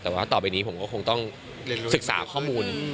แต่ว่าต่อไปนี้ผมก็คงต้องศึกษาข้อมูล